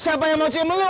siapa yang mau jem lu